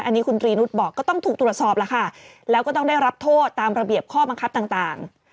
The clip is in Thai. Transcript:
อันนี้คุณตรีนุษย์บอกก็ต้องถูกตรวจสอบแล้วค่ะแล้วก็ต้องได้รับโทษตามระเบียบข้อบังคับต่าง